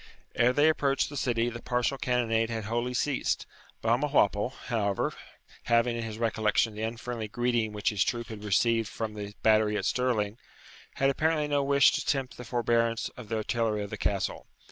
Ere they approached the city the partial cannonade had wholly ceased. Balmawhapple, however, having in his recollection the unfriendly greeting which his troop had received from the battery at Stirling, had apparently no wish to tempt the forbearance of the artillery of the Castle.